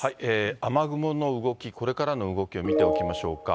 雨雲の動き、これからの動きを見ておきましょうか。